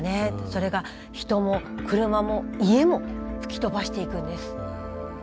それが人も車も家も吹き飛ばしていくんです。